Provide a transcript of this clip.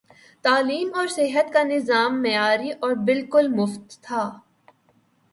تعلیم اور صحت کا نظام معیاری اور بالکل مفت تھا۔